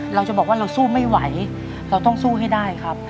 เราจะบอกว่าเราสู้ไม่ไหวเราต้องสู้ให้ได้ครับ